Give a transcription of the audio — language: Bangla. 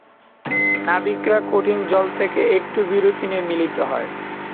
নাবিকরা কঠিন জল থেকে একটু বিরতি নিয়ে মিলিত হয়।